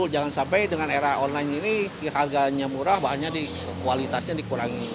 jangan sampai dengan era online ini harganya murah bahannya kualitasnya dikurangi